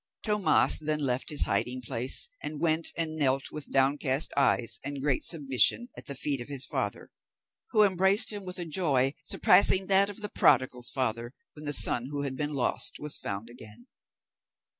Tomas then left his hiding place, and went and knelt with downcast eyes and great submission at the feet of his father, who embraced him with a joy surpassing that of the Prodigal's father when the son who had been lost was found again.